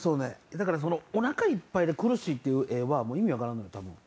だからその「お腹いっぱいで苦しい」っていう画はもう意味わからんのよ多分。